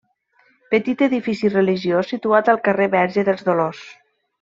Petit edifici religiós, situat al carrer Verge dels Dolors.